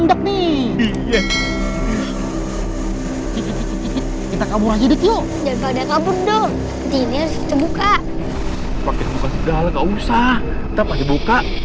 nanti ini harus dibuka pake dia buka segala gak usah kita pake buka